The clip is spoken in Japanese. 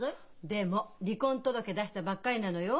でも離婚届出したばっかりなのよ。